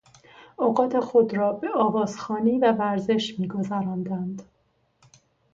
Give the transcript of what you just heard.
اوقات خود را به آواز خوانی و ورزش میگذراندند.